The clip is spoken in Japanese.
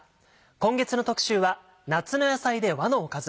今月の特集は「夏の野菜で和のおかず」。